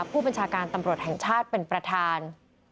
ผู้บัญชาการตำรวจแห่งชาติเป็นประธาน